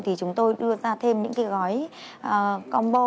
thì chúng tôi đưa ra thêm những cái gói combo